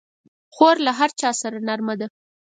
خور له هر چا سره نرمه ده.